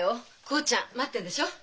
コーちゃん待ってんでしょう？